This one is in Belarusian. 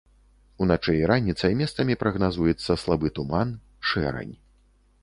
Уначы і раніцай месцамі прагназуецца слабы туман, шэрань.